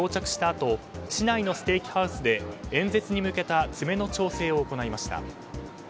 あと市内のステーキハウスで演説に向けた詰めの調整を行いました。